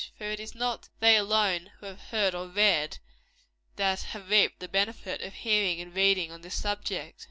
For it is not they alone who have heard or read, that have reaped the benefit of hearing and reading on this subject.